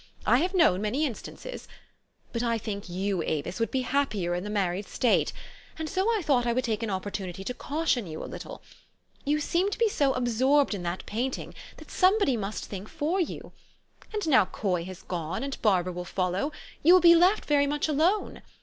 I have known many instances. But I think you, Avis, would be happier in the mar ried state ; and so I thought I would take an oppor tunity to caution you a little. You seem to be so absorbed in that painting, that somebody must think for you. And now Coy has gone, and Barbara will soon follow, you will be left very much alone.